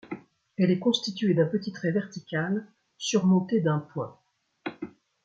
Elle est constituée d’un petit trait vertical surmonté d’un point.